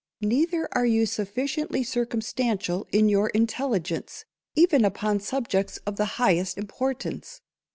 Neither are you sufficiently circumstantial in your intelligence, even upon subjects of the highest _importance.